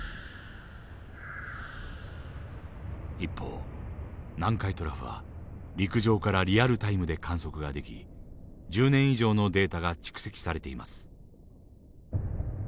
一方南海トラフは陸上からリアルタイムで観測ができ１０年以上のデータが蓄積されています。